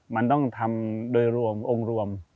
มันต้องทำโดยรวมองค์รวม